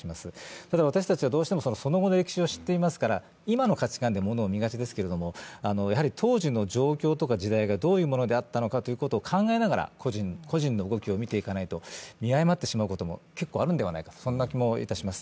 ただ、私たちはどうしてもその後の歴史を知っていますから、今の価値観でものを見がちですけれども、当時の状況とか時代がどういうものであったのかを考えながら個人の動きを見ていかないと見誤ってしまうことも結構あるのではないかという気がいたします。